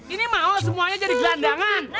ini mau semuanya jadi gelandangan